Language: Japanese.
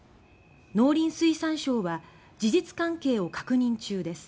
農林水産省は「事実関係を確認中です。